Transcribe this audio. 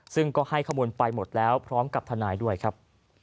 ซึ่งก็ให้ข้อมูลไปหมดแล้วพร้อมกับทนายด้วยครับ